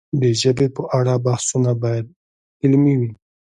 د ژبې په اړه بحثونه باید علمي وي.